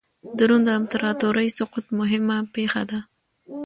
د روم د امپراتورۍ سقوط مهمه پېښه ده.